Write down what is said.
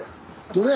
どれ？